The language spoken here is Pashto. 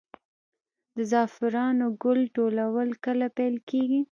د زعفرانو ګل ټولول کله پیل کیږي؟